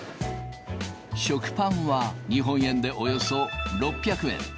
食パンは、日本円でおよそ６００円。